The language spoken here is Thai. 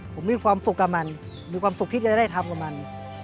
ผมมีความสุขกับมันมีความสุขที่จะได้ทำกับมัน